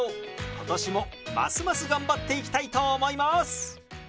今年もますます頑張っていきたいと思います！